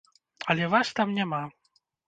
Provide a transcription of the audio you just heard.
Але вас там няма.